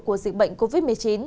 của dịch bệnh covid một mươi chín